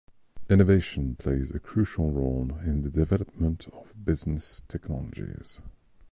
Innovation plays a crucial role in the development of business technologies.